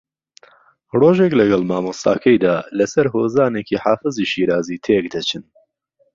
ڕۆژێک لەگەڵ مامۆستاکەیدا لەسەر ھۆزانێکی حافزی شیرازی تێکدەچن